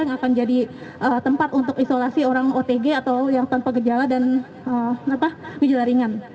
yang akan jadi tempat untuk isolasi orang otg atau yang tanpa gejala dan gejala ringan